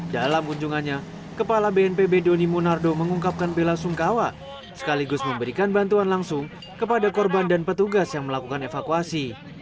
dalam kunjungannya kepala bnpb doni monardo mengungkapkan bela sungkawa sekaligus memberikan bantuan langsung kepada korban dan petugas yang melakukan evakuasi